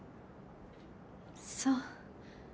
そう。